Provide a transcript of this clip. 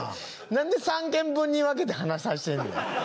何で３軒分に分けて話させてんねん。